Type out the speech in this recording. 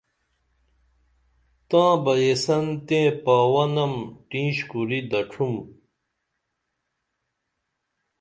تاں بہ یسن تیں پاوہ نم ٹینش کُری دڇُھم